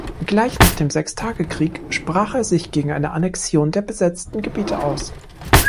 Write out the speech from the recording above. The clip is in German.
Gleich nach dem Sechstagekrieg sprach er sich gegen eine Annexion der besetzten Gebiete aus.